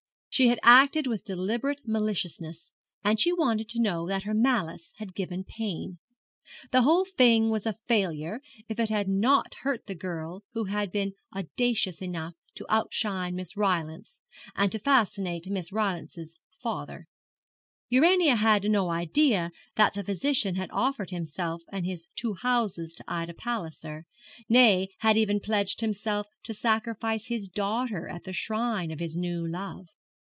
She had acted with deliberate maliciousness; and she wanted to know that her malice had given pain. The whole thing was a failure if it had not hurt the girl who had been audacious enough to outshine Miss Rylance, and to fascinate Miss Rylance's father. Urania had no idea that the physician had offered himself and his two houses to Ida Palliser, nay, had even pledged himself to sacrifice his daughter at the shrine of his new love.